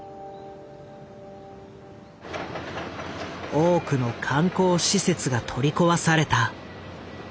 多くの観光施設が取り壊された。